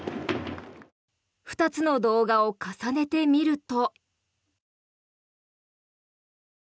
２つの動画を重ねてみると。